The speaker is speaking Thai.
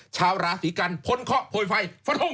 ชาวราศรีกันพ้นเคราะห์โผล่ไฟฟะทุ่ม